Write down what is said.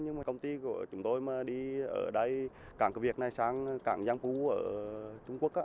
nhưng mà công ty của chúng tôi mà đi ở đây càng cửa việt này sang càng giang phú ở trung quốc